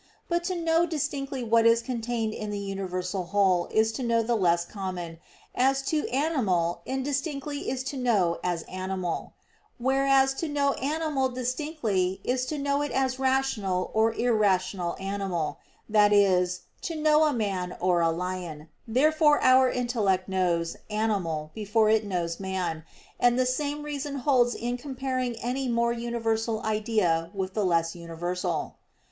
But to know distinctly what is contained in the universal whole is to know the less common, as to "animal" indistinctly is to know it as "animal"; whereas to know "animal" distinctly is know it as "rational" or "irrational animal," that is, to know a man or a lion: therefore our intellect knows "animal" before it knows man; and the same reason holds in comparing any more universal idea with the less universal.